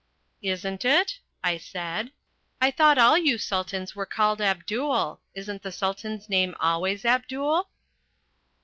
"Isn't it?" I said. "I thought all you Sultans were called Abdul. Isn't the Sultan's name always Abdul?"